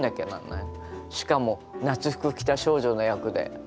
しかも夏服着た少女の役で。